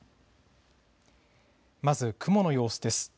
まず雲の様子です。